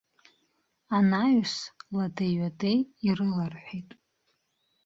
Анаҩс ладеи-ҩадеи ирыларҳәеит.